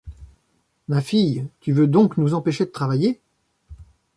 Ma fille, tu veux donc nous empêcher de travailler?